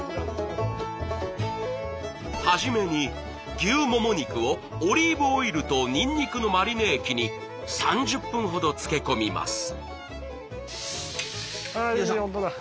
初めに牛もも肉をオリーブオイルとニンニクのマリネ液に３０分ほど漬け込みます。